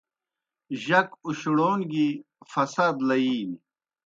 جک اُشڑَون گیْ فساد لئِینیْ۔